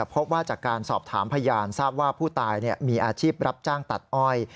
พบว่าจากการสอบถามพยานทราบว่าผู้ตายมีอาชีพรับจ้างตัดอ้อย